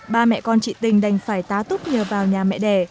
ba mẹ con chị tình đành phải tá túc nhờ vào nhà mẹ đẻ